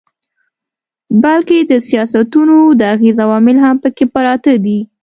بلکي د سياستونو د اغېز عوامل هم پکښې پراته دي